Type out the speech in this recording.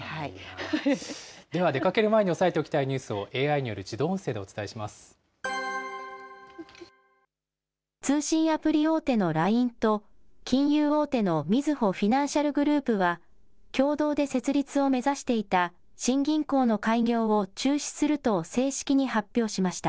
では、出かける前に押さえておきたいニュースをＡＩによる自通信アプリ大手のＬＩＮＥと、金融大手のみずほフィナンシャルグループは共同で設立を目指していた新銀行の開業を中止すると正式に発表しました。